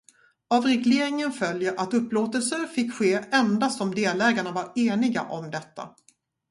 Av regleringen följer att upplåtelser fick ske endast om delägarna var eniga om detta.